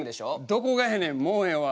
どこがやねんもうええわ。